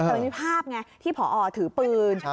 แต่มันมีภาพไงที่ผอถือปืน